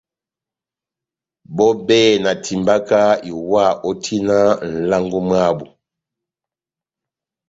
Bɔ́ bɛ́hɛ́pi na timbaka iwa ó tina nʼlango mwábu.